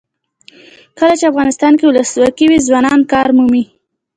کله چې افغانستان کې ولسواکي وي ځوانان کار مومي.